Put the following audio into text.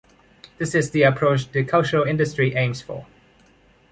This is the approach the cultural industry aims for.